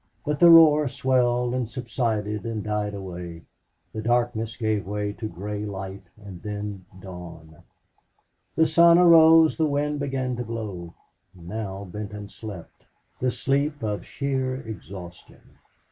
But the roar swelled and subsided and died away; the darkness gave place to gray light and then dawn; the sun arose, the wind began to blow. Now Benton slept, the sleep of sheer exhaustion.